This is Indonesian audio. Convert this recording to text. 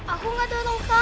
aku gak tahu tahu kakak